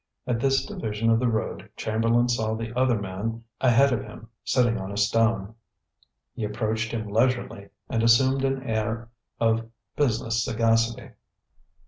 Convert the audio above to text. At this division of the road Chamberlain saw the other man ahead of him sitting on a stone. He approached him leisurely and assumed an air of business sagacity.